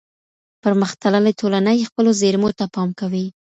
پرمختللې ټولني خپلو زیرمو ته پام کوي.